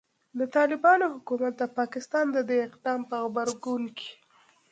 د طالبانو حکومت د پاکستان د دې اقدام په غبرګون کې